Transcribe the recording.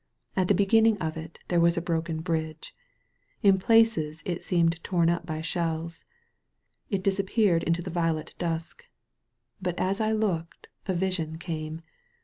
At the beginning of it there was a broken bridge; in places it seemed torn up by shells; it disappeared in the violet dusk. But as I looked a vision came.